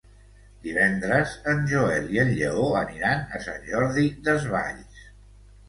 Divendres en Joel i en Lleó aniran a Sant Jordi Desvalls.